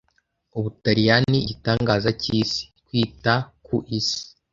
Ubutaliyani, igitangaza cyisi, kwita ku isi,